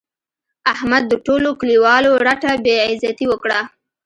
احمد د ټولو کلیوالو رټه بې عزتي وکړه.